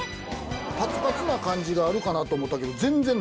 パツパツな感じがあるかなと思ったけど全然ない。